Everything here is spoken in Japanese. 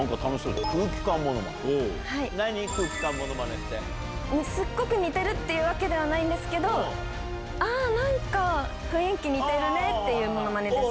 すっごく似てるっていうわけではないんですけれども、ああ、なんか雰囲気似てるねっていうものまねです。